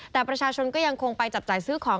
แต่ประชาชนก็ยังคงไปจับจ่ายซื้อของ